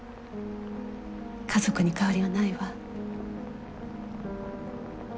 家族に変わりはないわ。